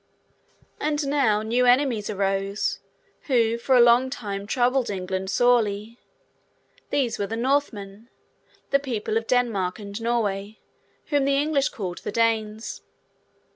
And now, new enemies arose, who, for a long time, troubled England sorely. These were the Northmen, the people of Denmark and Norway, whom the English called the Danes.